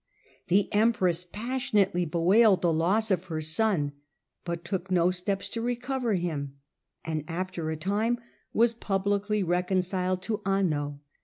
, The empress passionately bewailed the loss of her son, but took no steps to recover him, and after a time was publicly reconciled to Anno.